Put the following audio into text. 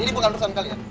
ini bukan perusahaan kalian